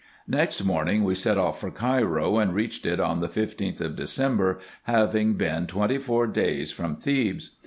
Next morning we set off for Cairo, and reached it on the 15th of December, having been twenty four days from Thebes.